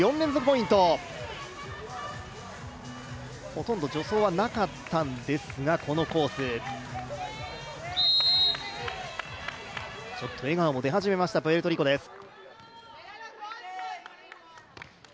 ほとんど助走はなかったんですが、このコース。ちょっと笑顔も出始めました、プエルトリコです。